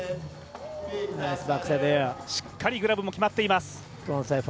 しっかりグラブも決まっています。